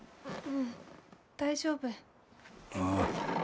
うん大丈夫。